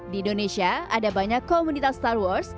di indonesia ada banyak komunitas star wars